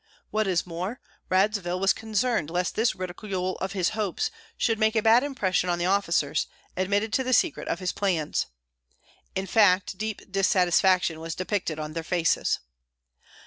What is more, Radzivill was concerned lest this ridicule of his hopes should make a bad impression on the officers, admitted to the secret of his plans. In fact, deep dissatisfaction was depicted on their faces.